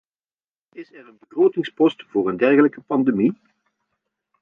Is er een begrotingspost voor een dergelijke pandemie?